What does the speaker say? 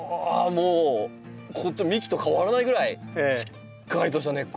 もうこっちの幹と変わらないぐらいしっかりとした根っこ。